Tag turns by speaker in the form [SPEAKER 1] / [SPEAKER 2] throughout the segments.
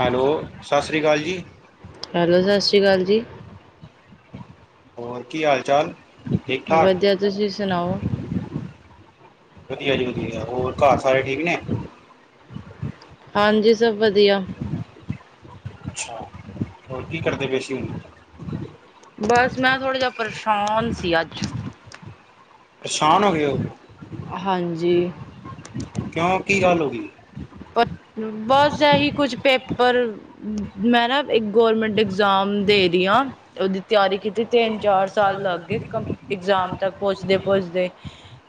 [SPEAKER 1] Hello ਸਸ ਸ੍ਰੀ ਅਕਾਲ ਜੀ।
[SPEAKER 2] ਹੈਲੋ ਸਤਿ ਸ੍ਰੀ ਅਕਾਲ ਜੀ।
[SPEAKER 1] ਹੋਰ ਕੀ ਹਾਲ ਚਾਲ? ਠੀਕ ਠਾਕ
[SPEAKER 2] ਵਧੀਆ, ਤੁਸੀਂ ਸੁਣਾਓ?
[SPEAKER 1] ਵਧੀਆ ਜੀ ਵਧੀਆ, ਹੋਰ ਘਰ ਸਾਰੇ ਠੀਕ ਨੇ?
[SPEAKER 2] ਹਾਂਜੀ ਸਭ ਵਧੀਆ।
[SPEAKER 1] ਅੱਛਾ, ਹੋਰ ਕੀ ਕਰਦੇ ਪਏ ਸੀ?
[SPEAKER 2] ਬਸ ਮੈਂ ਥੋੜ੍ਹਾ ਜਹਾ ਪਰੇਸ਼ਾਨ ਸੀ ਅੱਜ।
[SPEAKER 1] ਪਰੇਸ਼ਾਨ ਹੋ ਗਏ ਓ?
[SPEAKER 2] ਹਾਂਜੀ।
[SPEAKER 1] ਕਿਉਂ ਕੀ ਗੱਲ ਹੋ ਗਈ?
[SPEAKER 2] ਪਰ ਬਸ ਐਹੀ ਕੁਝ ਪੇਪਰ ਮੈਂ ਨਾ ਇੱਕ ਗੌਰਮੈਂਟ ਐਗਜ਼ਾਮ ਦੇ ਰਹੀ ਆ, ਉਹਦੀ ਤਿਆਰੀ ਕੀਤੀ ਤਿੰਨ ਚਾਰ ਸਾਲ ਲੱਗ ਗਏ ਕੰ ਇਗਜ਼ਾਮ ਤੱਕ ਪਹੁੰਚਦੇ ਪਹੁੰਚਦੇ,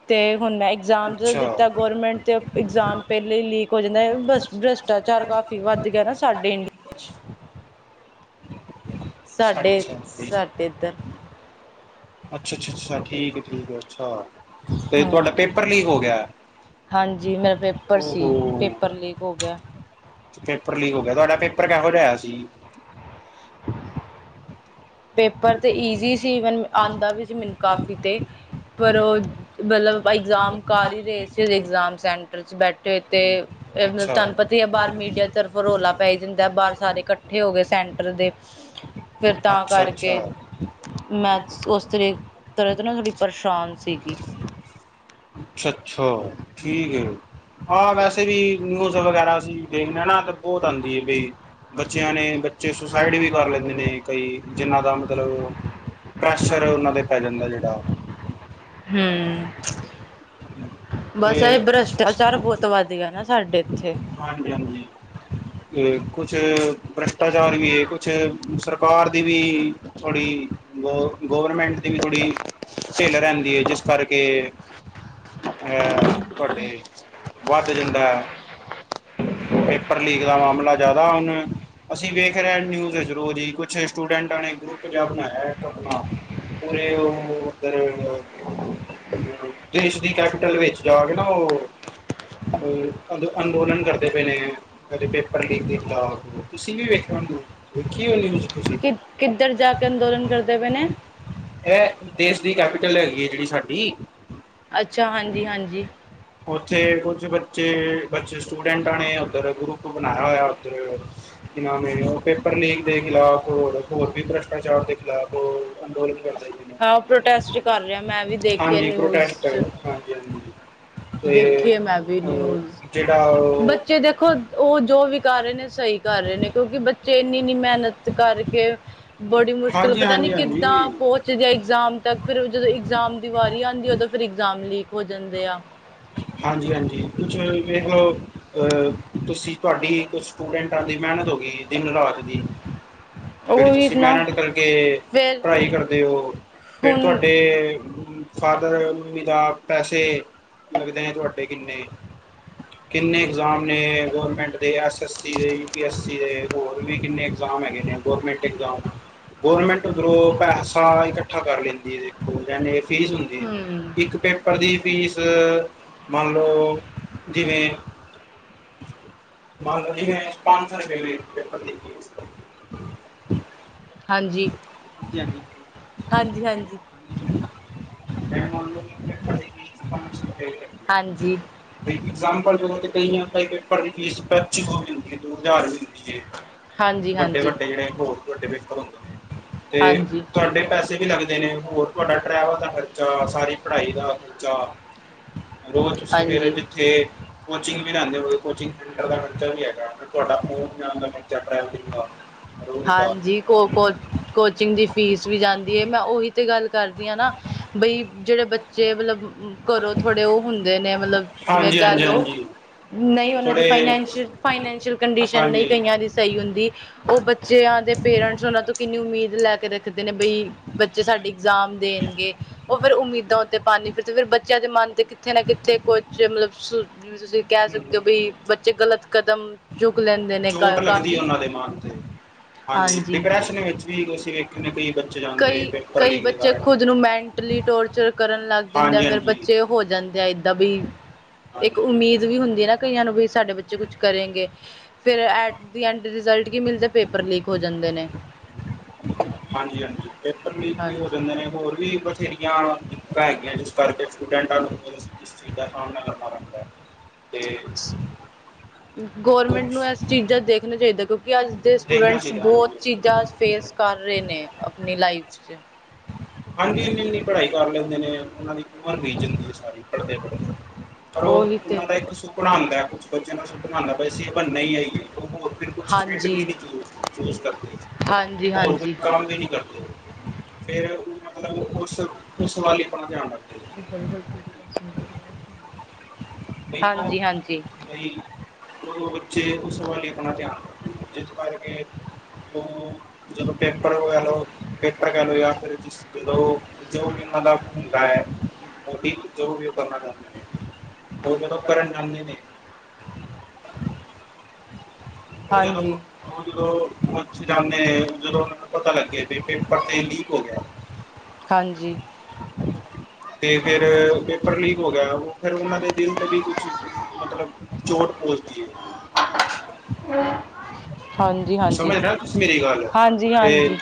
[SPEAKER 2] ਤੇ ਹੁਣ ਮੈਂ ਇਗਜ਼ਾਮ
[SPEAKER 1] ਅੱਛਾ
[SPEAKER 2] ਦਿੱਤਾ ਗੌਰਮੈਂਟ ਤੇ ਇਗਜ਼ਾਮ ਪਹਿਲੇ ਹੀ ਲੀਕ ਹੋ ਜਾਂਦਾ। ਬਸ ਭ੍ਰਿਸ਼ਟਾਚਾਰ ਕਾਫ਼ੀ ਵੱਧ ਗਿਆ ਨਾ ਸਾਡੇ ਇੰਡੀਆ ਵਿੱਚ। ਸਾਡੇ ਸਾਡੇ
[SPEAKER 1] ਅੱਛਾ
[SPEAKER 2] ਇੱਧਰ।
[SPEAKER 1] ਅੱਛਾ ਅੱਛਾ ਅੱਛਾ ਠੀਕ ਆ ਠੀਕ ਅੱਛਾ ਤੇ ਤੁਹਾਡਾ
[SPEAKER 2] ਹਮ
[SPEAKER 1] ਪੇਪਰ ਲੀਕ ਹੋ ਗਿਆ।
[SPEAKER 2] ਹਾਂਜੀ ਮੇਰਾ ਪੇਪਰ
[SPEAKER 1] ਓ
[SPEAKER 2] ਸੀ,
[SPEAKER 1] ਹੋ
[SPEAKER 2] ਪੇਪਰ ਲੀਕ ਹੋ ਗਿਆ।
[SPEAKER 1] ਪੇਪਰ ਲੀਕ ਹੋ ਗਿਆ, ਤੁਹਾਡਾ ਪੇਪਰ ਕਿਹੋ ਜਿਹਾ ਹੋਇਆ ਸੀ?
[SPEAKER 2] ਹ ਪੇਪਰ ਤੇ ਈਜ਼ੀ ਸੀ, ਪਰ ਮੈਨੂੰ ਆਂਦਾ ਵੀ ਸੀ ਮੈਨੂੰ ਕਾਫੀ ਤੇ। ਪਰ ਉਹ ਮਤਲਬ ਇਗਜ਼ਾਮ ਕਰ ਹੀ ਰਹੇ ਸੀ ਇਗਜ਼ਾਮ ਸੈਂਟਰ ਚ ਬੈਠ ਬੈਠੇ ਤੇ ਮਤਲਬ
[SPEAKER 1] ਅੱਛਾ
[SPEAKER 2] ਤੁਹਾਨੂੰ ਪਤਾ ਹੀ ਐ ਬਾਹਰ ਮੀਡੀਆ ਤਰਫੋਂ ਰੌਲਾ ਪੈ ਜਾਂਦਾ ਬਾਹਰ ਸਾਰੇ ਇੱਕਠੇ ਇਕੱਠੇ ਹੋ ਗਏ ਸੈਂਟਰ ਦੇ। ਫਿਰ ਤਾਂ
[SPEAKER 1] ਅੱਛਾ ਅੱਛਾ।
[SPEAKER 2] ਕਰਕੇ ਮੈਂ ਉਸ ਤਰ੍ਹਾਂ ਤੋਂ ਨਾ ਥੋੜੀ ਪਰੇਸ਼ਾਨ ਸੀਗੀ।
[SPEAKER 1] ਅੱਛਾ ਅੱਛਾ ਠੀਕ ਏ। ਹਾਂ ਵੈਸੇ ਵੀ ਨਿਊਜ਼ ਵਗੈਰਾ ਅਸੀਂ ਦੇਖਦੇ ਆ ਨਾ ਤੇ ਬਹੁਤ ਆਂਦੀ ਏ ਬਈ ਬੱਚਿਆਂ ਨੇ, ਬੱਚੇ ਸੁਸਾਈਡ ਵੀ ਕਰ ਲੈਂਦੇ ਨੇ ਕਈ। ਜਿੰਨਾਂ ਦਾ ਮਤਲਬ ਪ੍ਰੈਸ਼ਰ ਉਹਨਾਂ ਤੇ ਪੈ ਜਾਂਦਾ ਜਿਹੜਾ।
[SPEAKER 2] ਹੂੰ।
[SPEAKER 1] [inaudible]
[SPEAKER 2] ਬਸ ਇਹ
[SPEAKER 1] ਤੇ
[SPEAKER 2] ਭ੍ਰਿਸ਼ਟਾਚਾਰ ਬਹੁਤ ਵੱਧ ਗਿਆ ਨਾ ਸਾਡੇ ਐਥੇ।
[SPEAKER 1] ਹਾਂਜੀ- ਹਾਂਜੀ ਏ ਕੁਛ ਭ੍ਰਿਸ਼ਟਾਚਾਰ ਵੀ ਏ ਕੁਛ ਸਰਕਾਰ ਦੀ ਵੀ ਥੋੜੀ, ਗ ਗੌਰਮੈਂਟ ਦੀ ਵੀ ਥੋੜੀ ਢਿਲ ਰਹਦੀ ਏ ਜਿਸ ਕਰਕੇ ਅ ਤੁਹਾਡੇ ਵੱਧ ਜਾਂਦਾ। ਪੇਪਰ ਲੀਕ ਦਾ ਮਾਮਲਾ ਜਿਆਦਾ ਹੁਣ, ਅਸੀਂ ਵੇਖ ਰਹੇ ਨਿਊਜ਼ ਵਿਚ ਰੋਜ਼ ਈ ਕੁ ਫੇਰ ਸਟੂਡੈਂਟਾ ਨੇ ਗੁਪ -ਰੁੱਪ ਜਾਂ ਬਣਾਇਆਂ ਇੱਕ ਆਪਣਾ, ਓਰੇ ਉਹ ਓਧਰ ਦੇਸ਼ ਦੀ ਕੈਪੀਟਲ ਵਿੱਚ ਜਾ ਕੇ ਨਾ ਓ ਅੰ ਅੰਦੋਲਨ ਕਰਦੇ ਪਏ ਨੇ। ਕਦੇ ਪੇਪਰ ਲੀਕ [unintelligible] ਤੁਸੀਂ ਵੀ ਵੇਖਿਆ ਹੋਣਾਂ, ਵੇਖੀਂ ਹੋਣੀਂ।
[SPEAKER 2] ਕਿ ਕਿੱਧਰ ਜਾ ਕੇ ਅੰਦੋਲਨ ਕਰਦੇ ਪਏ ਨੇ।
[SPEAKER 1] ਇਹ ਦੇਸ਼ ਦੀ ਕੈਪੀਟਲ ਹੈਗੀ ਹੈ ਜਿਹੜੀ ਸਾਡੀ
[SPEAKER 2] ਅੱਛਾ ਹਾਂਜੀ- ਹਾਂਜੀ।
[SPEAKER 1] ਓਥੇ ਕੁੱਝ ਬੱਚੇ ਬੱਚ ਸਟੂਡੈਂਟਾਂ ਨੇ ਉੱਧਰ ਗਰੁੱਪ ਬਣਾਇਆ ਹੋਇਆ ਉਧਰ ਕੀ ਨਾਂਮ ਏ। ਪੇਪਰ ਲੀਕ ਦੇ ਖਿਲਾਫ਼ ਹੋਰ- ਹੋਰ ਵੀ ਭ੍ਰਿਸ਼ਟਾਚਾਰ ਦੇ ਖਿਲਾਫ਼ ਅੰਦੋਲਨ ਕਰਦੇ ਜੀ।
[SPEAKER 2] ਹਾਂ ਉਹ ਪ੍ਰੋਟੈਸਟ ਕਰ ਰਿਹਾ, ਮੈਂ ਵੀ ਦੇਖਿਆ
[SPEAKER 1] ਹਾਂਜੀ
[SPEAKER 2] ਨਿਊਜ਼
[SPEAKER 1] ਪ੍ਰੋਟੈਸਟ
[SPEAKER 2] ਚ।
[SPEAKER 1] ਹਾਂਜੀ- ਹਾਂਜੀ ਤੇ
[SPEAKER 2] ਦੇਖੀਏ ਮੈਂ ਵੀ
[SPEAKER 1] ਓ
[SPEAKER 2] ਨਿਊਜ਼
[SPEAKER 1] ਜਿਹੜਾ ਉਹ
[SPEAKER 2] ਬੱਚੇ ਦੇਖੋ ਉਹ ਜੋ ਵੀ ਕਰ ਰਹੇ ਨੇ ਸਹੀ ਕਰ ਰਹੇ ਨੇ, ਕਿਉਂਕਿ ਬੱਚੇ ਏਨੀ- ਏਨੀ ਮਿਹਨਤ ਕਰਕੇ ਬੜੀ ਮੁਸ਼ਕਿਲ
[SPEAKER 1] ਹਾਂਜੀ
[SPEAKER 2] ਪਤਾ ਨੀ
[SPEAKER 1] ਹਾਂਜੀ ਹਾਂਜੀ
[SPEAKER 2] ਕਿੱਦਾਂ ਪਹੁੰਚਦੇ ਆ ਇਗਜਾਮ ਤੱਕ ਫਿਰ ਜਦੋਂ ਇਗਜਾਮ ਦੀ ਵਾਰੀ ਆਂਦੀ, ਉਦੋਂ ਫਿਰ ਇਗਜ਼ਾਮ ਲੀਕ ਹੋ ਜਾਂਦੇ ਆ।
[SPEAKER 1] ਹਾਂਜੀ- ਹਾਂਜੀ ਕੁੱਛ ਵੇਖਲੋ ਅਹ ਤੁਸੀਂ ਤੁਹਾਡੀ ਕੁੱਛ ਸਟੂਡੈਂਟਾਂ ਦੀ ਮਿਹਨਤ ਹੋ ਗਈ ਦਿਨ ਰਾਤ ਦੀ। ਜਿਹੜੀ
[SPEAKER 2] ਉਹੀ
[SPEAKER 1] ਤੁਸੀਂ
[SPEAKER 2] ਨਾ
[SPEAKER 1] ਮਿਹਨਤ ਕਰਕੇ
[SPEAKER 2] ਫਿਰ
[SPEAKER 1] ਪੜਾਈ ਕਰਦੇ ਓ। ਫਿਰ
[SPEAKER 2] ਹੁਣ
[SPEAKER 1] ਤੁਹਾਡੇ ਫਾਦਰ ਮੰਮੀ ਦਾ ਪੈਸੇ ਲੱਗਦੇ ਨੇ ਤੁਹਾਡੇ ਕਿੰਨੇ- ਕਿੰਨੇ ਇਗਜ਼ਾਮ ਏ ਗੌਰਮੈਂਟ ਦੇ ਐਸ- ਐਸ ਸੀ-ਸ ਦੇ ਯੂ ਐਸਪੀ ਐਸ ਸੀ ਦੇ ਹੋਰ ਵੀ ਕਿੰਨੇ ਇਗਜ਼ਾਮ ਹੈਗੇ ਨੇ, ਗ੍ਰੋਮੈਟ ਉਧਰੋਂ ਪੈਸਾ ਇਕੱਠਾ ਕਰ ਲੈਂਦੀ ਐ ਦੇਖੋ ਕਹਿੰਦੇ ਫੀਸ ਹੁੰਦੀ,
[SPEAKER 2] ਹਮ
[SPEAKER 1] ਇੱਕ ਪੇਪਰ ਦੀ ਫੀਸ ਅ ਮਨ ਲਓ ਜਿਵੇਂ ਮੰਗ ਲੀ ਏ ਪੰਜ ਸੌ ਰੁਪਏ ਇਕ ਪੇਪਰ ਦੀ ਫੀਸ।
[SPEAKER 2] ਹਾਂਜੀ, ਹਾਂਜੀ- ਹਾਂਜੀ, ਹਾਂਜੀ -ਹਾਂਜੀ। ਹਾਂਜੀ।
[SPEAKER 1] ਐਗਜ਼ਾਮਪਲ [unintelligible] ਦੋ ਹਜ਼ਾਰ ਵੀ ਦਿੰਦੀ ਏ,
[SPEAKER 2] ਹਾਂਜੀ
[SPEAKER 1] ਵੱਡੇ-
[SPEAKER 2] ਹਾਂਜੀ
[SPEAKER 1] ਵੱਡੇ ਜਿਹੜੇ ਹੋਰ ਵੱਡੇ ਪੇਪਰ ਹੁੰਦੇ ਨੇ। ਤੇ
[SPEAKER 2] ਹਾਂਜੀ
[SPEAKER 1] ਤੁਹਾਡੇ ਪੈਸੇ ਵੀ ਲੱਗਦੇ ਨੇ ਹੋਰ ਤੁਹਾਡਾ ਟਰੈਵਲ ਦਾ ਖਰਚ ਅ ਸਾਰੀ ਪੜ੍ਹਾਈ ਦਾ ਖਰਚਾ। ਰੋਜ਼ ਤੁਸੀਂ ਫੇਰ
[SPEAKER 2] ਹਾਂਜੀ
[SPEAKER 1] ਜਿੱਥੇ ਕੋਚਿੰਗ ਵੀ ਲੈਂਦੇ ਹੋਓ ਕੋਚਿੰਗ ਦਾ ਖਰਚਾ ਵੀ ਹੈਗਾ ਫੇਰ ਤੁਹਾਡਾ ਆਉਂਣ ਜਾਣ ਦਾ ਖ਼ਰਚਾ ਟਰੈਵਲਿੰਗ ਦਾ। ਰੋਜ਼ ਦਾ
[SPEAKER 2] ਹਾਂਜੀ। ਕੋ ਕੋਚ ਕੋਚਿੰਗ ਦੀ ਫੀਸ ਵੀ ਜਾਂਦੀ ਏ, ਮੈਂ ਉਹੀ ਤੇ ਗੱਲ ਕਰਦੀ ਆ ਨਾ ਬਈ ਜਿਹੜੇ ਬੱਚੇ ਮਤਲਬ ਘਰੋਂ ਥੋੜੇ ਉਹ ਹੁੰਦੇ ਨੇ ਮਤਲਬ ਜਿਵੇਂ
[SPEAKER 1] ਹਾਂਜੀ
[SPEAKER 2] ਕਹਿ
[SPEAKER 1] ਹਾਂਜੀ
[SPEAKER 2] ਲਓ।
[SPEAKER 1] ਹਾਂਜੀ
[SPEAKER 2] ਨਹੀਂ ਉਹਨਾਂ ਦੀ
[SPEAKER 1] ਥੋੜੇ
[SPEAKER 2] ਫਾਈਨੈਸ਼ਈਅ ਫਾਈਨੈਂਸ਼ੀਅਲ ਕੰਡੀਸ਼ਨ ਨਹੀ
[SPEAKER 1] ਹਾਂਜੀ
[SPEAKER 2] ਕਈਆਂ। ਸਹੀ ਹੁੰਦੀ ਉਹ ਬੱਚਿਆਂ ਦੇ ਪੇਰੈਂਟਸ ਉਹਨਾਂ ਤੋਂ ਕਿੰਨੀ ਉਮੀਦ ਲੈ ਕੇ ਰੱਖਦੇ ਨੇ ਬਈ। ਬੱਚੇ ਸਾਡੇ ਇਗਜ਼ਾਮ ਦੇਣਗੇ। ਉਹ ਫੇਰ ਉਮੀਦਾਂ ਉੱਤੇ ਪਾਣੀ ਫਿਰ ਫੇਰ ਬੱਚਿਆਂ ਦੇ ਮਨ ਤੇ ਕਿੱਥੇ ਨਾ ਕਿੱਥੇ ਕੁਛ ਮਤਲਬ। ਤੁਸੀਂ ਕਹਿ ਸਕਦੇ ਓ ਬ‌ਈ ਬੱਚੇ ਗ਼ਲਤ ਕਦਮ ਚੁੱਕ ਲੈਂਦੇ ਨੇ ਕਾਫ਼ੀ।
[SPEAKER 1] ਦਿਮਾਗ ਤੇ ਹਾਂਜੀ ਡਿਪਰੈਸ਼ਨ ਵਿੱਚ ਵੀ ਤੁਸੀਂ ਵੇਖੇ ਨੇ ਕ‌ਈ।
[SPEAKER 2] ਕਈ ਕਈ ਬੱਚੇ ਖੁੱਦ ਨੂੰ ਮੈਂਟਲੀ ਟੋਰਚਰ ਕਰਨ ਲੱਗ ਜਾਂਦੇ ਆ
[SPEAKER 1] ਹਾਂਜੀ
[SPEAKER 2] ਫੇਰ
[SPEAKER 1] ਹਾਂਜੀ
[SPEAKER 2] ਬੱਚੇ। ਤੇ ਹੋ ਜਾਂਦੇ ਆ ਏਦਾਂ ਬਈ।
[SPEAKER 1] ਹਾਂਜੀ
[SPEAKER 2] ਇੱਕ ਉਮੀਦ ਵੀ ਹੁੰਦੀ ਆ ਨਾ ਕਈਆਂ ਨੂੰ ਵੀ ਸਾਡੇ ਬੱਚੇ ਕੁਛ ਕਰੇਗੇ। ਫੇਰ ਐਟ ਐਂਡ ਰਿਜ਼ਲਟ ਕੀ ਮਿਲਦੈ ਪੇਪਰ ਲੀਕ ਹੋ ਜਾਂਦੇ ਨੇ।
[SPEAKER 1] ਹਾਂਜੀ ਹਾਂਜੀ ਪੇਪਰ ਲੀਕ ਵੀ ਹੋ
[SPEAKER 2] ਹਾਂਜੀ
[SPEAKER 1] ਜਾਂਦੇ ਨੇ ਹੋਰ। ਵੀ ਬਥੇਰੀਆਂ ਹੈਗੀਆਂ ਜਿਸ ਕਰਕੇ ਸਟੂਡੈਂਟਾਂ ਨੂੰ ਇਸ ਚੀਜ਼ ਦਾ ਸਾਹਮਣਾ ਕਰਨਾ ਪੈਂਦਾ ਤੇ।
[SPEAKER 2] ਗੌਰਮੈਂਟ ਨੂੰ
[SPEAKER 1] ਕੁਛ
[SPEAKER 2] ਐਸ। ਚੀਜ਼ਾਂ ਦੇਖਣਾ ਚਾਹੀਦਾ ਕਿਉਂਕਿ ਅੱਜ ਦੇ
[SPEAKER 1] ਦੇਖਣਾ
[SPEAKER 2] ਸਟੂਡੈਂਟਸ
[SPEAKER 1] ਚਾਹੀਦਾ
[SPEAKER 2] ਬਹੁਤ ਚੀਜ਼ਾਂ
[SPEAKER 1] ਹੈ
[SPEAKER 2] ਫੇਸ ਕਰ ਰਹੇ ਨੇ ਆਪਣੀ ਲਾਈਫ। ਚ। [unintelligible]
[SPEAKER 1] ਹਾਂਜੀ ਇੰਨੀ ਇੰਨੀ ਪੜ੍ਹਾਈ ਕਰ ਲੈਂਦੇ ਨੇ ਉਹਨਾਂ ਦੀ। ਉਮਰ ਬੀਤ ਜਾਂਦੀ ਐ ਸਾਰੀ ਪੜ੍ਹਦੇ-ਪੜ੍ਹਦੇ। ਪਰ ਉਹ
[SPEAKER 2] ਉਹੀ ਤੇ
[SPEAKER 1] ਉਹਨਾਂ ਦਾ ਇੱਕ ਸੁਪਨਾ ਹੁੰਦੈ ਕੁਛ ਬੱਚਿਆਂ ਦਾ ਸੁਪਨਾ ਹੁੰਦਾ ਬੀ ਅਸੀ ਬਣਨਾ ਹੀ। [inaudible] ਫੇਰ
[SPEAKER 2] ਹਾਂਜੀ ਹਾਂਜੀ ਹਾਂਜੀ ਹਾਂਜੀ
[SPEAKER 1] ਮਤਲਬ ਉਸ ਉਸ ਵੱਲ ਹੀ ਆਪਣਾ ਧਿਆਨ ਰੱਖ।
[SPEAKER 2] ਹਾਂਜੀ ਹਾਂਜੀ।
[SPEAKER 1] ਉਦੋ ਬੱਚੇ ਉਸ ਵੱਲ ਹੀ ਆਪਣਾ ਧਿਆਨ ਜਿਸ ਕਰਕੇ। ਜਦੋਂ ਪੇਪਰ ਵਗੈਰਾ। ਪੇਪਰ ਕਹਿ ਲਓ ਜਾਂ ਫਿਰ ਅੋ ਜੋ ਵੀ ਇਹਨਾਂ ਦਾ ਹੁੰਦਾ ਐ। ਮੋਟੀਵ ਜੋ ਵੀ ਉਹ ਕਰਨਾ ਚਾਹੁੰਦੇ ਨੇ ਹੋਰ ਜਦ ਉਹ ਕਰਨ ਜਾਂਦੇ ਨੇ। ਉਹ ਜਦੋਂ
[SPEAKER 2] ਹਾਂਜੀ
[SPEAKER 1] ਓਹ ਜਦੋਂ। ਪਹੁੰਚ ਜਾਦੇ ਜਦੋਂ ਉਹਨਾਂ ਨੂੰ ਪਤਾ ਲੱਗ ਗਿਆ ਬੀ ਪੇਪਰ ਤੇ ਲੀਕ ਹੋ ਗਿਆ।
[SPEAKER 2] ਹਾਂਜੀ।
[SPEAKER 1] ਤੇ ਫੇਰ ਪੇਪਰ ਲੀਕ ਹੋ ਗਿਆ ਫੇਰ ਉਹਨਾਂ ਦੇ ਦਿਲ ਤੇ ਵੀ ਕੁਛ। ਮਤਲਬ ਚੋਟ ਪਹੁੰਚਦੀ ਏ।
[SPEAKER 2] ਹਾਂਜੀ-ਹਾਂਜੀ
[SPEAKER 1] ਤੇ
[SPEAKER 2] ਹਾਂਜੀ-ਹਾਂਜੀ।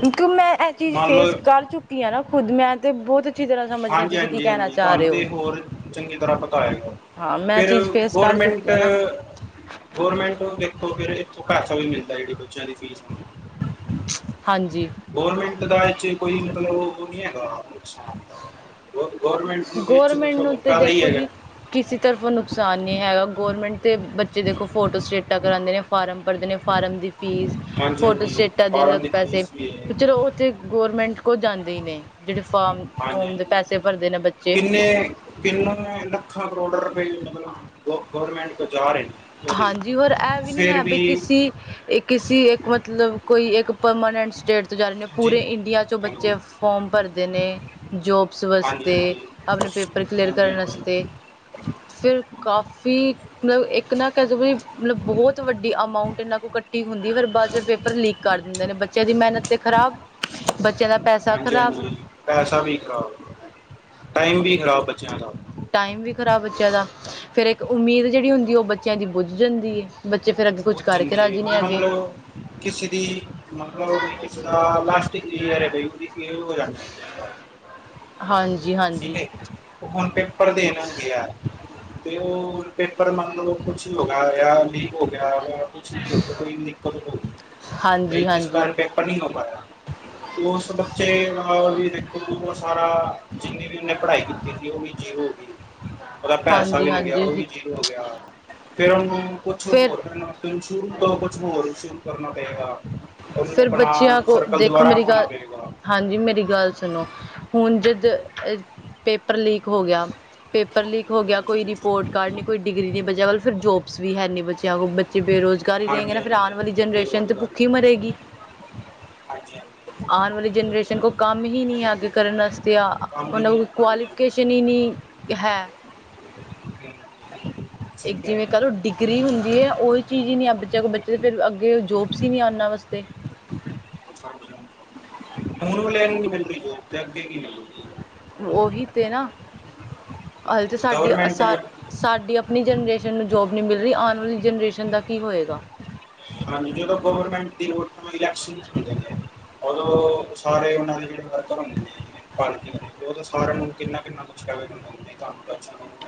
[SPEAKER 2] ਕਿਉਂਕਿ ਮੈਂ ਐਹ ਚੀਜ਼
[SPEAKER 1] ਮੰਨ ਲਓ
[SPEAKER 2] ਫੇਸ ਕਰ ਚੁੱਕੀ ਹਾਂ ਨਾ ਖੁਦ ਮੈਂ ਤੇ ਬਹੁਤ। ਅੱਛੀ ਤਰ੍ਹਾਂ ਸਮਝਦੀ ਆ
[SPEAKER 1] ਹਾਂਜੀ
[SPEAKER 2] ਤੁਸੀਂ ਕੀ
[SPEAKER 1] ਹਾਂਜੀ
[SPEAKER 2] ਕਹਿਣਾ
[SPEAKER 1] ਹਾਂਜੀ
[SPEAKER 2] ਚਾ
[SPEAKER 1] ਤੁਹਾਨੂੰ
[SPEAKER 2] ਰਹੇ ਓ।
[SPEAKER 1] ਤੇ ਹੋਰ ਚੰਗੀ ਤਰ੍ਹਾਂ ਪਤਾ ਹੋਏਗਾ
[SPEAKER 2] ਮੈਂ
[SPEAKER 1] ਫੇਰ
[SPEAKER 2] ਚੀਜ਼ ਫੇਸ ਕਰ
[SPEAKER 1] ਗੌਰਮੈਂਟ।
[SPEAKER 2] ਚੁੱਕੀ ਹਾਂ ਨਾ
[SPEAKER 1] ਗੌਰਮੈਂਟ ਨੂੰ ਦੇਖੋ ਫੇਰ ਇਥੋਂ ਪੈਸਾ ਵੀ ਮਿਲਦਾ ਜਿਹੜੀ ਬੱਚਿਆਂ ਦੀ ਫੀਸ ਨੂੰ।
[SPEAKER 2] ਹਾਂਜੀ।
[SPEAKER 1] ਗੌਰਮੈਂਟ ਦਾ ਇਥੇ ਕੋਈ ਮਤਲਬ ਉਹ ਨੀ ਹੈਗਾ। ਗੌ ਗੌਰਮੈਂਟ ਵਿੱਚ
[SPEAKER 2] ਗੌਰਮੈਂਟ ਨੂੰ
[SPEAKER 1] ਸਗੋਂ
[SPEAKER 2] ਤੇ
[SPEAKER 1] ਫਾਇਦਾ ਹੀ
[SPEAKER 2] ਦੇਖੋ
[SPEAKER 1] ਹੈਗਾ
[SPEAKER 2] ਜੀ। ਕਿਸੀ ਤਰਫੋਂ ਨੁਕਸਾਨ ਨੀ ਹੈਗਾ ਗੌਰਮੈਂਟ ਤੇ ਬੱਚੇ ਦੇਖੋ ਫੋਟੋ-ਸਟੇਟਾਂ ਕਰਾਦੇ ਨੇ। ਫਾਰਮ ਭਰਦੇ ਨੇ ਫਾਰਮ ਦੀ ਫੀਸ
[SPEAKER 1] ਹਾਂਜੀ ਹਾਂਜੀ
[SPEAKER 2] ਫੋਟੋ-ਸਟੇਟਾਂ ਦੇ ਅਲੱਗ
[SPEAKER 1] ਫਾਰਮ ਦੀ
[SPEAKER 2] ਪੈਸੇ
[SPEAKER 1] ਫੀਸ ਵੀ ਹੈ
[SPEAKER 2] ਚਲੋ ਉ। ਤੇ ਗੌਰਮੈਂਟ ਕੋਲ ਜਾਂਦੇ ਹੀ ਨੇ ਜਿਹੜੇ ਫਾਰਮ
[SPEAKER 1] ਹਾਂਜੀ
[SPEAKER 2] ਫੋਮ
[SPEAKER 1] ਹਾਂਜੀ
[SPEAKER 2] ਦੇ ਪੈਸੇ ਭਰਦੇ ਨੇ ਬੱਚੇ।
[SPEAKER 1] ਕਿੰਨੇ ਕਿੰਨੂ ਲੱਖਾ-ਕਰੋਡਾ ਰੁਪ‌ਏ। ਮਤਲਬ ਗੌਰਮੈਂਟ ਕੋਲ ਜਾ ਰਹੇ ਨੇ ਉਹਦੇ ਫੇਰ ਵੀ।
[SPEAKER 2] ਇੱਕ ਕਿਸੀ ਇੱਕ ਮਤਲਬ ਕੋਈ ਇੱਕ ਪਰਮਾਨੈਂਟ ਸਟੇਟ ਤੋਂ ਜਾ ਰਹੇ ਨੇ
[SPEAKER 1] ਹਾਂਜੀ
[SPEAKER 2] ਪੂਰੇ ਇੰਡੀਆ ਚੋਂ
[SPEAKER 1] ਹੈਲੋ
[SPEAKER 2] ਬੱਚੇ ਫੋਮ ਭਰਦੇ ਨੇ। ਜੋਬਸ
[SPEAKER 1] ਹਾਂਜੀ
[SPEAKER 2] ਵਸਤੇ,
[SPEAKER 1] ਹਾਂਜੀ
[SPEAKER 2] ਆਪਣੇ ਪੇਪਰ ਕਲੀਅਰ
[SPEAKER 1] ਹਾਂਜੀ
[SPEAKER 2] ਕਰਨ
[SPEAKER 1] ਹਾਂਜੀ
[SPEAKER 2] ਵਸਤੇ। ਫੇਰ ਕਾਫੀ ਮਤਲਬ ਇੱਕ ਨਾ ਕਹਿ ਦੋ ਮਤਲਬ ਬਹੁਤ ਵੱਡ੍ ਈ ਅਮਾਊਂਟ ਇਹਨਾਂ ਕੋਲ ਇਖਟੀ ਹੁੰਦੀ, ਫਿਰ ਬਾਦ ਚ ਪੇਪਰ ਲੀਕ ਕਰ ਦਿੰਦੇ ਨੇ, ਬੱਚਿਆਂ ਦੀ ਮਿਹਨਤ ਤੇ ਖਰਾਬ। ਬੱਚਿਆਂ ਦਾ ਪੈਸਾ ਖ਼ਰਾਬ
[SPEAKER 1] ਹਾਂਜੀ-ਹਾਂਜੀ, ਪੈਸਾ ਵੀ ਖਰਾਬ, ਟਾਈਮ ਵੀ ਖ਼ਰਾਬ ਬੱਚਿਆਂ ਦਾ।
[SPEAKER 2] ਟਾਈਮ ਵੀ ਖਰਾਬ ਬੱਚਿਆਂ ਦਾ, ਫੇਰ ਇੱਕ ਉਮੀਦ ਜਿਹੜੀ ਹੁੰਦੀ ਉਹ ਬਚ ਬੱਚਿਆਂ ਦੀ ਬੁੱਝ ਜਾਂਦੀ ਏ, ਬੱਚੇ ਫੇਰ ਅੱਗੇ ਕੁਛ ਕਰਕੇ
[SPEAKER 1] ਪੁੱਜਣਗੇ
[SPEAKER 2] ਰਾਜੀ ਨੇ ਹੈਗੇ।
[SPEAKER 1] ਮਤਲਬ ਬਈ ਕਿਸੇ ਦਾ ਲਸਟ ਇਅਰ ਹੈ ਬਈ ਹੈ ੳਸਦੀ ਕਲਿਅਰ ਹੋ ਜਾਣੀ ਅਗਲੇ ਸਾਲ। ਠੀਕ
[SPEAKER 2] ਹਾਂਜੀ-ਹਾਂਜੀ।
[SPEAKER 1] ਹੈ ਹੁਣ ਪੇਪਰ ਦੇਣ ਗਿਆ ਤੇ ਉ ਪੇਪਰ ਮੰਨ ਲਓ ਕੁਛ ਹੀ ਹੋ ਨਾ ਗਿਆ, ਲੀਕ ਹੋ ਗਿਆ ਕੁਛ ਵੀ ਹੋ ਸਕਦਾ [unintelligible] ਬਈ
[SPEAKER 2] ਹਾਂਜੀ
[SPEAKER 1] ਜਿਸ
[SPEAKER 2] ਹਾਂਜੀ
[SPEAKER 1] ਬਾਰੇ ਪੇਪਰ ਪੇਪਰ ਨੀ ਹੋ ਪਾਇਆ। ਉਸ ਬੱਚੇ ਨਾਲ ਵੀ ਦੇਖੋ ਉਹ ਸਾਰਾ ਜਿੰਨੀ ਵੀ ਉਹਨੇ ਪੜ੍ਹਾਈ ਕੀਤੀ ਸੀ ਉਹ ਵੀ ਜੀਰੋ। ਉਹਦਾ ਪੈਸਾ
[SPEAKER 2] ਹਾਂਜੀ
[SPEAKER 1] ਵੀ ਲੱਗਿਆ,
[SPEAKER 2] ਹਾਂਜੀ
[SPEAKER 1] ਉ ਵੀ ਜੀਰੋ ਹੋ ਗਿਆ। ਫਿਰ ਉਹਨੂੰ ਕੁਛ
[SPEAKER 2] ਫਿਰ
[SPEAKER 1] ਹੋਰ ਕਰਨ ਵਸਤੇ ਸ਼ੁਰੂ ਤੋਂ ਕੁਛ ਹੋਰ ਸ਼ੁਰੂ ਕਰਨਾ ਪਏਗਾ। ਉਹਨੂੰ
[SPEAKER 2] ਫਿਰ
[SPEAKER 1] ਆਪਣਾ
[SPEAKER 2] ਬੱਚਿਆਂ ਕੋ
[SPEAKER 1] ਸਰਕਲ
[SPEAKER 2] ਦੇਖੋ
[SPEAKER 1] ਦੁਬਾਰਾ
[SPEAKER 2] ਮੇਰੀ
[SPEAKER 1] ਬਣਾਣਾ
[SPEAKER 2] ਗੱਲ
[SPEAKER 1] ਪਏਗਾ।
[SPEAKER 2] ਹਾਂਜੀ, ਮੇਰੀ ਗੱਲ ਸੁਣੋ, ਹੁਣ ਜਦ ਪੇਪਰ ਲੀਕ ਹੋ ਗਿਆ ਪੇਪਰ ਲੀਕ ਹੋ ਗਿਆ, ਕੋਈ ਰਿਪੋਰਟ ਕਾਰਡ ਨੀ ਕੋਈ ਡਿਗਰੀ ਨੀ ਬਚਿਆ ਵਲ, ਫਿਰ ਜੋਬ ਬੁਕਸ ਵੀ ਹੈ ਨੀ ਬੱਚੇਿਆ ਕੋਲ, ਬੱਚੇ ਬੇਰੁਜ਼ਗਾਰ ਹੀ
[SPEAKER 1] ਹਾਂਜੀ
[SPEAKER 2] ਰਹੇਗੇ ਨਾ ਫਿਰ
[SPEAKER 1] ਹਾਂਜੀ
[SPEAKER 2] ਆਣ ਵਾਲੀ ਜਨਰੇਸ਼ਨ ਤੇ ਭੁੱਖੀ ਮਰੇਗੀ।
[SPEAKER 1] ਹਾਂਜੀ-ਹਾਂਜੀ।
[SPEAKER 2] ਆਣ ਵਾਲੀ ਜਨਰੇਸ਼ਨ ਕੋਲ ਕੰਮ ਹੀ ਨੀ ਅਗੇ ਕਰਨ ਵਸਤੇ
[SPEAKER 1] ਕੰਮ ਨਹੀਂ
[SPEAKER 2] ਉਹਨਾਂ ਕੋਲ
[SPEAKER 1] ਹੈ ਹਾਂਜੀ ਹਾਂਜੀ
[SPEAKER 2] ਕੁਆਲਿਫਿਕੇਸਨ- ਚਨਨੀ ਹੈ।
[SPEAKER 1] [unintelligible] ਸਹੀ
[SPEAKER 2] ਇੱਕ
[SPEAKER 1] ਕਹਿ
[SPEAKER 2] ਜਿਵੇਂ
[SPEAKER 1] ਰਹੇ ਹੋ।
[SPEAKER 2] ਕਰੋ ਡਿਗ ਗਰੀ ਹੁੰਦੀ ਹੈ, ਉਹੀ ਚੀਜ਼ ਹੀ ਨੀ ਬੱਚਿਆਂ ਕੋਲ ਬੱਚੇ ਫਿਰ ਅੱਗੇ ਜੋਬਸ ਹੀ ਨੀ ਏਨਾਂ ਵਸਤੇ।
[SPEAKER 1] ਹੁਣ ਵਾਲਿਆਂ ਨੂੰ ਨੀ ਮਿਲਦੀ ਜੋਬ ਤੇ ਅੱਗੇ ਕੀ ਮਿਲੂਗੀ।
[SPEAKER 2] ਉਹੀ ਤੇ ਨਾ, ਹਜੇ ਤੇ ਸਾਡੀ ਅਸ
[SPEAKER 1] ਗਵਰਨਮੈਂਟ
[SPEAKER 2] ਸਾਡੀ ਆਪਣੀ ਜਨਰੇਸ਼ਨ ਨੂੰ ਜੋਬ ਨੀ ਮਿਲ ਰਹੀ ਆਣ ਵਾਲੀ ਜਨਰੇਸ਼ਨ ਦਾ ਕੀ ਹੋਏਗਾ?
[SPEAKER 1] ਹਾਂਜੀ, ਜਦੋਂ ਗੌਰਮੈਂਟ ਦੀ ਲੋਣ ਇਲੈਕਸ਼ਨ ਚ ਉਦੋਂ ਸਾਰੇ ਉਹਨਾਂ ਦੇ ਜਿਹੜੇ ਵਰਕਰ ਹੁੰਦੇ ਨੇ ਪਾਰਟੀ ਉਹਦੋ ਸਾਰਿਆਂ ਨੂੰ ਕਿੰਨਾ-ਕਿੰਨਾ [unintelligible]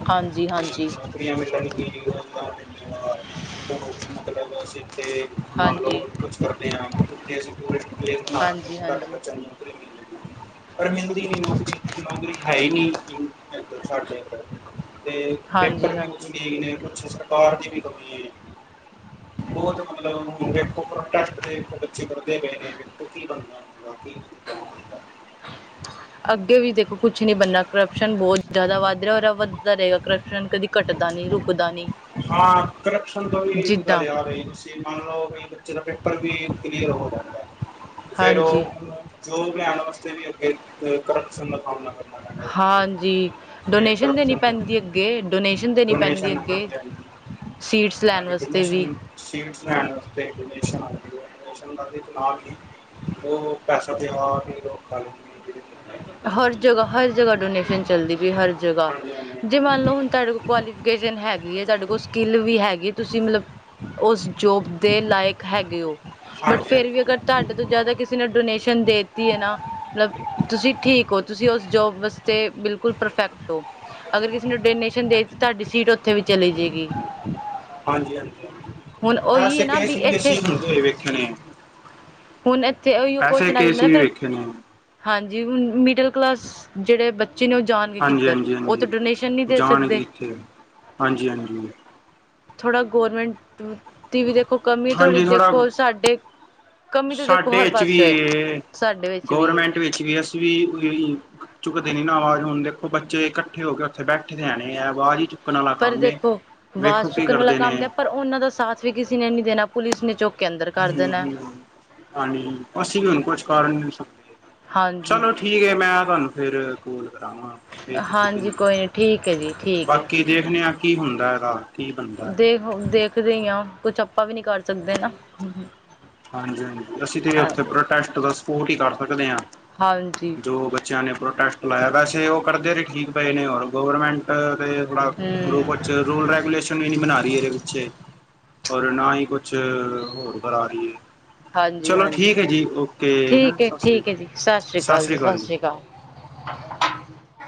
[SPEAKER 2] ਹਾਂਜੀ ਹਾਂਜੀ
[SPEAKER 1] ਨੌਕਰੀਆਂ ਮਿਲਣ ਹੋਰ ਮਤਲਬ ਅਸੀਂ ਤੇ ਮੰਨ ਲਓ
[SPEAKER 2] ਹਾਂਜੀ
[SPEAKER 1] ਕੁਛ ਕਰਦੇ ਹਾਂ, ਉਥੇ ਅਸੀਂ ਟੂਰਿਸਟ ਪਲੇਸ ਬਣਾ ਲਾਂਗੇ
[SPEAKER 2] ਹਾਂਜੀ
[SPEAKER 1] ਘੱਟ
[SPEAKER 2] ਹਾਂਜੀ
[SPEAKER 1] ਬਣ ਅਰੇ ਮਿਲਦੀ ਨੀ ਨੌਕਰੀ- ਨੌਕਰੀ ਹੈ ਹੀ ਨੀ। ਬਿਲਕੁਲ, ਸਾਡੇ ਏ ਤੇ ਪੇਪਰ
[SPEAKER 2] ਹਾਂਜੀ
[SPEAKER 1] ਵੀ ਕੁਛ
[SPEAKER 2] ਹਾਂਜੀ
[SPEAKER 1] ਲੀਕ ਨੇ ਕੁਛ [unintelligible] ਕਮੀ ਏ। ਬਹੁਤ ਮਤਲਬ ਵੇਖੋੋ ਬੱਚੇ ਕਰਦੇ ਪਏ ਨੇ ਦੇਖੋ ਕੀ ਬਣਦਾ ਉਹਨਾਂ ਦਾ
[SPEAKER 2] ਅੱਗੇ ਵੀ ਦੇਖੋ ਕੁਛ ਨੀ ਬਣਨਾ ਕਰਪਸ਼ਨ ਬਹੁਤ ਜ਼ਿਆਦਾ ਵੱਧ ਰਿਹਾ ਰ ਵੱਧਦਾ ਰਹੇਗਾ ਕਰਪਸ਼ਨ ਕਦੀ ਘੱਟਦਾ ਨਹੀਂ ਰੁਕ ਰੁਕ ਦਾ ਨੀ।
[SPEAKER 1] ਹਾਂ, ਕਰਪਸ਼ਨ ਤੋਂ ਵੀ ਇਕ ਗੱਲ ਯਾਦ ਆਈ। ਜੇ ਮੰਨ ਲਓ ਵੀ ਬੱਚੇ ਦਾ ਪੇਪਰ ਵੀ ਕਲੀਅਰ ਹੋ ਜਾਂਦਾ ਫੇਰ
[SPEAKER 2] ਹਾਂਜੀ
[SPEAKER 1] ਉਹ ਜੋਬ ਲਿਆਣ ਵਸਤੇ ਵੀ ਅੱਗੇ ਕਰਪਸ਼ਨ ਦਾ ਕਮ ਕਰ
[SPEAKER 2] ਹਾਂਜੀ, ਡੋਨੇਸ਼ਨ ਦੇਣੀ
[SPEAKER 1] ਕਰਪਸ਼ਨ
[SPEAKER 2] ਪੈਂਦੀ ਅ ਅੱਗੇ ਡੋਨੇਸ਼ਨ ਦੇਣੀ ਪੈਂਦੀ
[SPEAKER 1] ਡੋਨੇਸ਼ਨ
[SPEAKER 2] ਅੱਗੇ
[SPEAKER 1] ਆਉਂਦੀ ਹੈ
[SPEAKER 2] ਸੀਟਸ ਲੈਣ ਵਾਸਤੇ ਵੀ।
[SPEAKER 1] ਸੀਟਸ ਲੈਣ ਆਸਤੇ ਡੋਨੇਸ਼ਨ ਆਂਦੀ ਐ ਡੋਨੇਸ਼ਨ ਕਰਦੇ ਨਾਲ ਈ ਓ ਪੈਸਾ ਤੇ ਆਪ ਈ ਲੋਕ ਖਾ ਲੇਂਦੇ।
[SPEAKER 2] ਹਰ ਜਗਾ ਹਰ ਜਗਾ ਡੋਨੇਸ਼ਨ ਚੱਲਦੀ ਪਈ ਹਰ ਜਗਾ
[SPEAKER 1] ਹਾਂਜੀ ਹਾਂਜੀ
[SPEAKER 2] ਜੇ ਮੰਨ
[SPEAKER 1] ਹਾਂਜੀ।
[SPEAKER 2] ਲਓ ਹੁਨ ਤਾਡੇ ਕੋਲ ਕੁਆਲੀਫਿਕੇਸ਼ਨ ਹੈਗੀ ਏ, ਤਾਡੇ ਕੋਲ ਸਕਿੱਲ ਵੀ ਹੈਗੀ ਤੁਸੀ ਮਲਬ ਓਸ ਜੋਬ ਦੇ ਲਾਏਕ ਹੈਗੇ ਓ ਬਟ
[SPEAKER 1] ਹਾਂਜੀ
[SPEAKER 2] ਫੇਰ ਵੀ
[SPEAKER 1] ਹਾਂਜੀ
[SPEAKER 2] ਅਗਰ ਤਾਡੇ ਤੋਂ ਜਾਦਾ ਕਿਸ ਨੇ ਡੋਨੇਸ਼ਨ ਦੇ ਦਿੱਤੀ ਏ ਨਾ ਮਲਬ ਤੁਸੀ ਠੀਕ ਓ। ਤੁਸੀ ਓਸ ਜੋਬ ਵਾਸਤੇ ਬਿਲਕੁਲ ਪਰਫੈਕਟ ਓ। ਅਗਰ ਕਿਸੀ ਨੇ ਡੋਨੇਸ਼ਨ ਦੇਤਾ ਤਾਡੀ ਸੀਟ ਓਥੇ ਵੀ ਚਲੇ ਜੇਗੀ।
[SPEAKER 1] ਹਾਂਜੀ ਹਾਂਜੀ
[SPEAKER 2] ਉਹੀ
[SPEAKER 1] ਆਸੇ
[SPEAKER 2] ਹੈ ਨਾ
[SPEAKER 1] ਕੇ ਸੀ ਵੀ
[SPEAKER 2] ਇੱਥੇ
[SPEAKER 1] ਅਸੀ ਹੁੰਦੇ ਵੇਖੇ ਨੇ।
[SPEAKER 2] ਹੁਨ ਏਥੇ ਓਈਓ
[SPEAKER 1] ਐਸੇ
[SPEAKER 2] ਕੋਸ਼ਚਨ ਆ
[SPEAKER 1] ਕੇਸ
[SPEAKER 2] ਜਾਂਦਾ ਨਾ
[SPEAKER 1] ਵੀ
[SPEAKER 2] ਫੇਰ।
[SPEAKER 1] ਵੇਖੇ ਨੇ
[SPEAKER 2] ਹਾਂ ਜੀ, ਮਿਡਲ ਕਲਾਸ ਜੇੜੇ ਬਚੇ ਨੇ ਓ ਜਾਣਗੇ
[SPEAKER 1] ਹਾਂਜੀ
[SPEAKER 2] ਕਿੱਧਰ?
[SPEAKER 1] ਹਾਂਜੀ
[SPEAKER 2] ਓ
[SPEAKER 1] ਹਾਂਜੀ
[SPEAKER 2] ਤਾਂ ਡੋਨੇਸ਼ਨ ਨੀ ਦੇ
[SPEAKER 1] ਜਾਣਗੇ
[SPEAKER 2] ਸਕਦੇ।
[SPEAKER 1] ਇੱਥੇ ਹਾਂਜੀ ਹਾਂਜੀ
[SPEAKER 2] ਥੋੜਾ ਗੋਰਮੇਂਟ ਦੀ ਵੀ ਦੇਖੋ ਕਮੀ ਥੋੜੀ
[SPEAKER 1] ਹਾਂਜੀ ਥੋੜਾ
[SPEAKER 2] ਦੇਖੋ ਸਾਡੇ ਕਮੀ ਤਾਂ ਦੇਖੋ
[SPEAKER 1] ਸਾਡੇ
[SPEAKER 2] ਹਰ
[SPEAKER 1] ਏਚ ਵੀ
[SPEAKER 2] ਪਾਸੇ ਹੋਏ
[SPEAKER 1] ਏ,
[SPEAKER 2] ਸਾਡੇ ਵਿੱਚ ਵੀ ਹੈ
[SPEAKER 1] ਗੌਰਮੈਂਟ ਵਿੱਚ ਵੀ ਅਸੀ ਵੀ ਚੁਕਦੇ ਨੀ ਨਾ ਵਾਜ ਹੁਨ ਦੇਖੋ ਬੱਚੇ ਕੱਠੇ ਹੋ ਕੇ ਓਥੇ ਬੈਠੇ ਦੇ ਹੈ ਨੇ ਐ ਵਾਜ਼ ਈ ਚੁੱਕ
[SPEAKER 2] ਪਰ ਦੇਖੋ, ਵਾਜ਼ ਚੁੱਕਣ ਵਾਲਾ
[SPEAKER 1] ਕਰਦੇ ਨੇ
[SPEAKER 2] ਕੰਮ ਤੇ ਪਰ ਓਨਾਂ ਦਾ ਸਾਥ ਵੀ ਕਿਸੀ ਨੇ ਨੀ ਦੇਣਾ ਪੁਲਿਸ ਨੇ ਚੁੱਕ ਕੇ ਅੰਦਰ ਕਰ
[SPEAKER 1] ਹੂੰ
[SPEAKER 2] ਦੇਣਾ
[SPEAKER 1] ਹੂੰ ਹਾਂਜੀ ਅਸੀ ਵੀ ਹੁਨ ਕੁਛ ਕਰ ਨੀ ਸਕਦੇ।
[SPEAKER 2] ਹਾਂਜੀ
[SPEAKER 1] ਚਲੋ ਠੀਕ ਐ, ਮੈਂ ਤਾਨੂੰ ਫੇਰ ਕੋਲ ਕਰਾਂਗਾ। ਫੇਊ
[SPEAKER 2] ਹਾਂਜੀ
[SPEAKER 1] ਤੁਸੀ,
[SPEAKER 2] ਕੋਈ ਨਹੀਂ ਠੀਕ ਹੈ ਜੀ ਠੀਕ ਹੈ
[SPEAKER 1] ਬਾਕੀ ਦੇਖਨੇ ਆਂ ਕੀ ਹੁੰਦੈ ਏਦਾ
[SPEAKER 2] ਦੇਖ ਦੇਖਦੇ ਈ ਆਂ, ਕੁਛ ਆਪਾਂ ਵੀ ਨੀ ਕਰ ਸਕਦੇ ਨਾ।
[SPEAKER 1] ਹਾਂਜੀ ਹਾਂਜੀ ਅਸੀ ਤੇ ਓਥੇ
[SPEAKER 2] ਹਾਂਜੀ
[SPEAKER 1] ਪ੍ਰਟੈਸਟ ਦਾ ਸਪੋਰਟ ਈ ਕਰ ਸਕਦੇ ਆਂ
[SPEAKER 2] ਹਾਂਜੀ
[SPEAKER 1] ਜੋ ਬੱਚੇਆਂ ਨੇ ਪ੍ਰੋਟੈਸਟ ਲਾਏਆ ਵੈਸੇ ਓ ਕਰਦੇ ਤੇ ਠੀਕ ਪਏ ਨੇ ਔਰ ਗਵਰਮੈਂਟ ਤੇ ਥੋੜਾ ਗੂ
[SPEAKER 2] ਹਮ
[SPEAKER 1] ਰੂਲ ਰੈਗੂਲੇਸ਼ਨ ਵੀ ਨੀ ਬਨਾ ਰੀ ਏਦੇ ਵਿਚੇ ਔਰ ਨਾ ਈ ਕੁਛ ਹੋਰ ਕਰਾ ਰੀਏ।
[SPEAKER 2] ਹਾਂਜੀ ਹਾਂਜੀ,
[SPEAKER 1] ਹੈ
[SPEAKER 2] ਠੀਕ ਏ,
[SPEAKER 1] ਸਤਿ ਸ਼੍ਰੀ
[SPEAKER 2] ਠੀਕ ਏ
[SPEAKER 1] ਅਕਾਲ
[SPEAKER 2] ਜੀ। ਸਤਿ ਸ਼੍ਰੀ ਅਕਾਲ ਜੀ, ਸਤਿ ਸ਼੍ਰੀ ਅਕਾਲ।